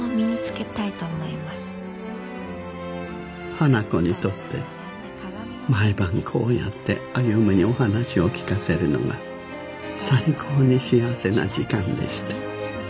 花子にとって毎晩こうやって歩にお話を聞かせるのが最高に幸せな時間でした。